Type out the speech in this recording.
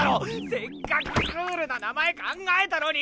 せっかくクールな名前考えたのに！